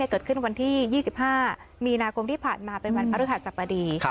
เกิดขึ้นวันที่๒๕มีนาคมที่ผ่านมาเป็นวันพระฤหัสบดี